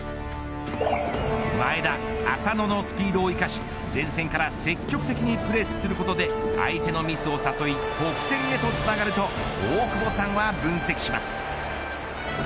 前田、浅野のスピードを生かし前線から積極的にプレスすることで相手のミスを誘い得点へとつながると大久保さんは分析します。